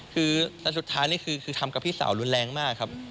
คือแต่สุดท้ายนี่คือทำกับพี่สาวรุนแรงมากครับ